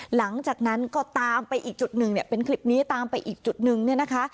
หลังจากนั้นก็ตามไปอีกจุดหนึ่งเนี่ยเป็นคลิปนี้ตามไปอีกจุดนึงเนี่ยนะคะ